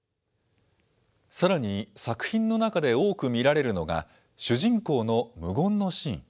さらに作品の中で多く見られるのが、主人公の無言のシーン。